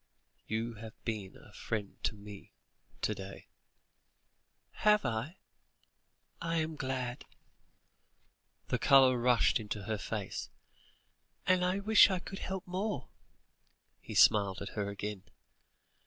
You have been a friend to me to day." "Have I? I am glad," the colour rushed into her face, "and I wish I could help more." He smiled at her again.